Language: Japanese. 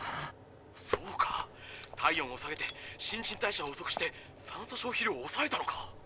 そうか体温を下げて新陳代謝をおそくして酸素消費量をおさえたのか。